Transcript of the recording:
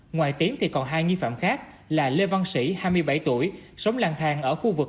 ngoài tiến thì còn hai nghi phạm khác là lê văn sĩ hai mươi bảy tuổi sống lang thang ở khu vực